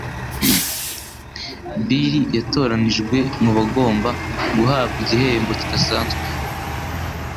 Bill yatoranijwe mubagomba guhabwa igihembo kidasanzwe.